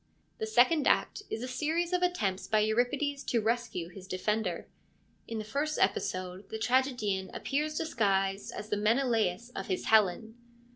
The second act is a series of attempts by Euripides to rescue his defender. In the first episode the tragedian appears disguised as the Menelaus of his Helen.